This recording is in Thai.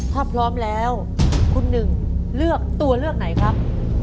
ถ้าพร้อมแล้วคุณหนึ่งเลือกตัวเลือกไหนครับ